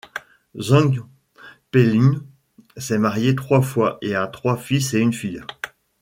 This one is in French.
Zhang Peilun s'est marié trois fois et a trois fils et une fille.